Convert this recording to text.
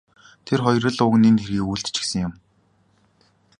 Тэр хоёр л уг нь энэ хэргийг үйлдчихсэн юм.